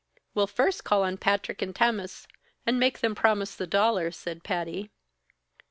"We'll first call on Patrick and Tammas and make 'em promise the dollar," said Patty.